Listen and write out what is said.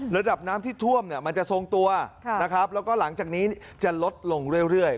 ระดับน้ำที่ท่วมมันจะทรงตัวนะครับแล้วก็หลังจากนี้จะลดลงเรื่อย